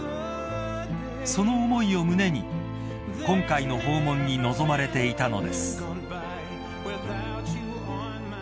［その思いを胸に今回の訪問に臨まれていたのです］